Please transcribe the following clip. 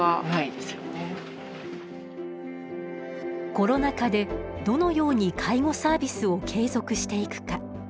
コロナ禍でどのように介護サービスを継続していくか。